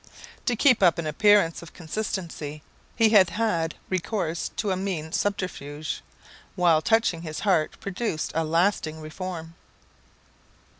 To keep up an appearance of consistency he had had recourse to a mean subterfuge, while touching his heart produced a lasting reform.